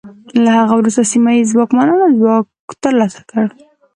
له هغه وروسته سیمه ییزو واکمنانو ځواک ترلاسه کړ.